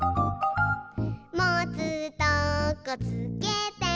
「もつとこつけて」